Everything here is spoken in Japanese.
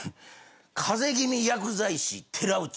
風邪気味薬剤師寺内。